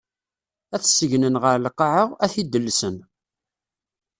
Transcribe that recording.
Ad t-segnen ɣer lqaɛa, ad t-id-llsen.